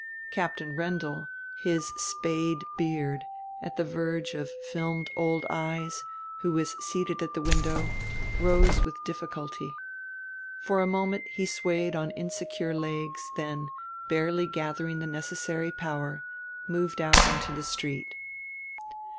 Captain Rendell, his spade beard at the verge of filmed old eyes, who was seated at the window, rose with difficulty. For a moment he swayed on insecure legs, then, barely gathering the necessary power, moved out into the street.